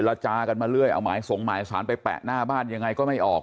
จากันมาเรื่อยเอาหมายสงหมายสารไปแปะหน้าบ้านยังไงก็ไม่ออก